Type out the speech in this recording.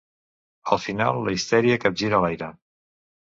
Al final, la histèria capgira l'aire.